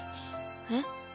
えっ？